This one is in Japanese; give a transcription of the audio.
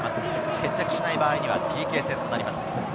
決着しない場合にはＰＫ戦となります。